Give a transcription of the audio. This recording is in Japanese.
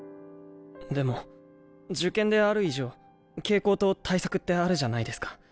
でも受験である以上傾向と対策ってあるじゃないですか。